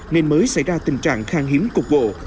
nên mới xảy ra tình trạng khang hiếm cục bộ